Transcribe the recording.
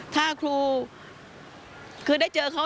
ถ้าครูคือได้เจอเขา